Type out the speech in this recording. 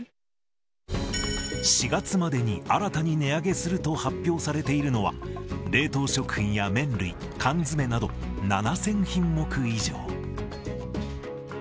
４月までに新たに値上げすると発表されているのは、冷凍食品や麺類、缶詰など、７０００品目以上。